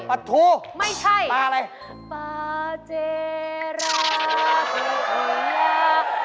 ทูไม่ใช่ปลาอะไรปลาเจรัก